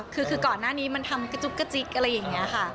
คือก่อนหน้านี้มันทำกระจุกกระจิ๊กอะไรอย่างนี้ค่ะ